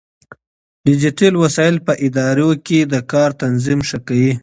ډيجيټلي وسايل په ادارو کې د کار تنظيم ښه کوي.